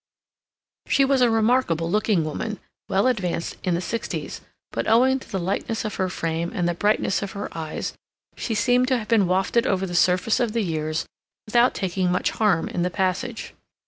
She was a remarkable looking woman, well advanced in the sixties, but owing to the lightness of her frame and the brightness of her eyes she seemed to have been wafted over the surface of the years without taking much harm in the passage.